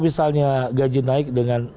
misalnya gaji naik dengan